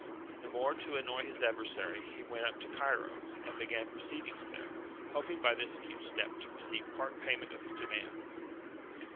The more to annoy his adversary, he went up to Cairo, and began proceedings there, hoping by this acute step to receive part payment of his demand.